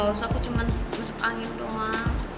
udah loh aku cuma masuk angin doang